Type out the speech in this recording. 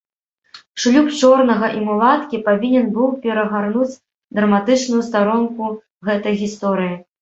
Шлюб чорнага і мулаткі павінен быў перагарнуць драматычную старонку гэтай гісторыі.